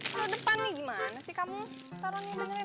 kalau depan nih gimana sih kamu taruh nih bener bener